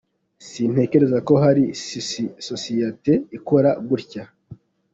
sintekereza ko hari sosiyete ikora gutyo.